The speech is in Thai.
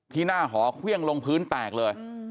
ที่หน้าหอเครี้ยงลงพื้นแตกเลย